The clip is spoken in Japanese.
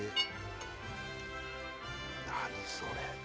何それ？